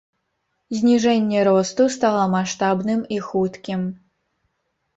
Зніжэнне росту стала маштабным і хуткім.